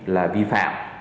là vi phạm